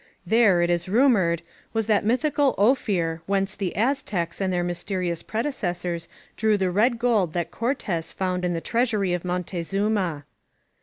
There, it is rumored, was that mythical Ophir whence the Aztecs and their mysterious predecessors drew the red gold that Cortez found in the treasury of Moctezuma.